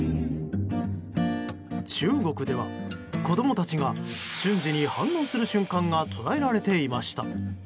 中国では子供たちが瞬時に反応する瞬間が捉えられていました。